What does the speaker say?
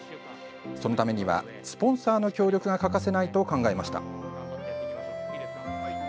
そのためにはスポンサーの協力が欠かせないと考えました。